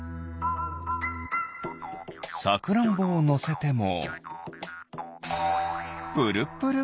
サクランボをのせてもプルプル。